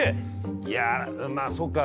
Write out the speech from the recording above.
いやまあそうか。